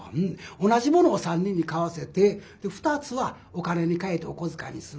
同じものを３人に買わせて２つはお金に換えてお小遣いにする。